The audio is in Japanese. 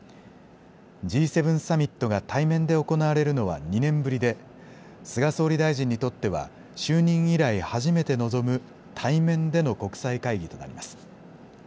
Ｇ７サミットが対面で行われるのは２年ぶりで、菅総理大臣にとっては、就任以来、初めて臨む対面での国際会議となります。